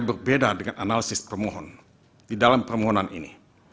berbeda dengan analisis permohon di dalam permohonan ini